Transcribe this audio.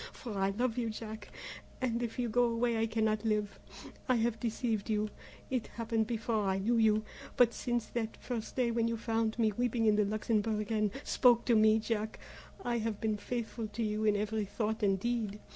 For I love you, Jack, and if you go away I cannot live. I have deceived you; it happened before I knew you, but since that first day when you found me weeping in the Luxembourg and spoke to me, Jack, I have been faithful to you in every thought and deed.